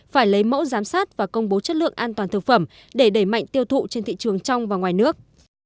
phải lấy mẫu giám sát và công bố chất lượng an toàn thực phẩm để đẩy mạnh tiêu thụ trên thị trường trong và ngoài nước